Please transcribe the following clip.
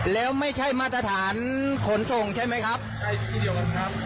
แล้วไม่ใช่มาตรฐานขนส่งใช่ไหมครับใช่ที่เดียวกันครับ